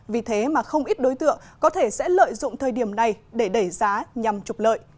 vì thế mà không ít đối tượng có thể sẽ lợi dụng thời điểm này để đẩy giá nhằm trục lợi